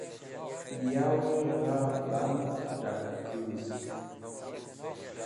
Yawi gha band kẽt̃akẽkũzg.